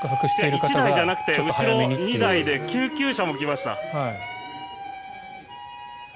１台じゃなくて後ろ、２台で救急車も来ました。